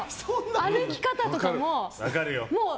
歩き方とか、もう。